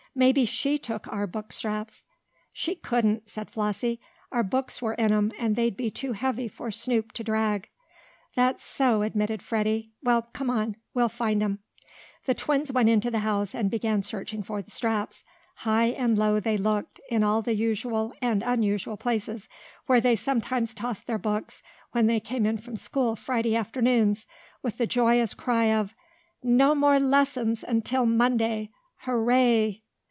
"Maybe SHE took our book straps." "She couldn't," said Flossie. "Our books were in 'em, and they'd be too heavy for Snoop to drag." "That's so," admitted Freddie. "Well, come on, we'll find 'em!" The twins went into the house and began searching for the straps. High and low they looked, in all the usual, and unusual, places, where they sometimes tossed their books when they came in from school Friday afternoons, with the joyous cry of: "No more lessons until Monday! Hurray!"